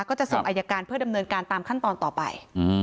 ก็จะส่งอายการเพื่อดำเนินการตามขั้นตอนต่อไป